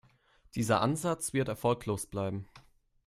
Dieser Ansatz wird erfolglos bleiben.